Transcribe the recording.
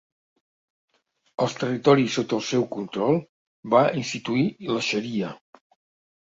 Als territoris sota el seu control va instituir la xaria.